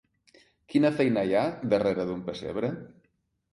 Quina feina hi ha darrere d’un pessebre?